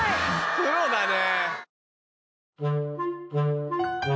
プロだね！